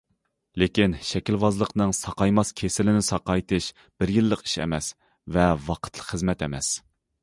لېكىن شەكىلۋازلىقنىڭ ساقايماس كېسىلىنى ساقايتىش بىر يىللىق ئىش ئەمەس ۋە ۋاقىتلىق خىزمەت ئەمەس.